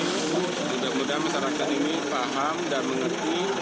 sudah mudah masyarakat ini paham dan mengerti